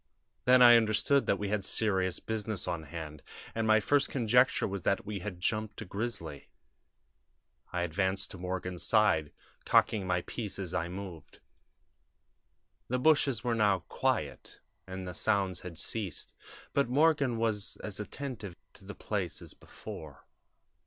Then I understood that we had serious business on hand, and my first conjecture was that we had 'jumped' a grizzly. I advanced to Morgan's side, cocking my piece as I moved. "The bushes were now quiet, and the sounds had ceased, but Morgan was as attentive to the place as before.